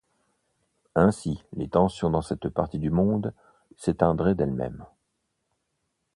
Ainsi, les tensions dans cette partie du monde s'éteindraient d'elles-même.